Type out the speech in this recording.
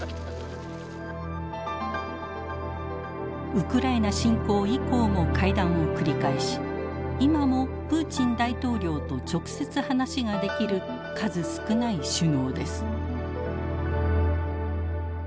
ウクライナ侵攻以降も会談を繰り返し今もプーチン大統領と直接話ができる数少ない首脳です。